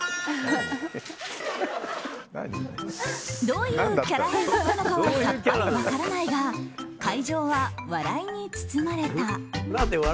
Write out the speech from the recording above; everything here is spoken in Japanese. どういうキャラ変だったのかはさっぱり分からないが会場は笑いに包まれた。